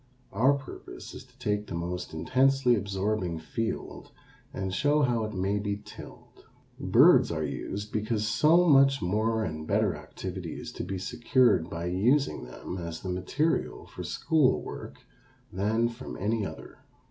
Our purpose is to take the most intensely absorbing field and show how it may be tilled. Birds are used because so much more and better activity is to be secured by using them as the material for school work than from any other.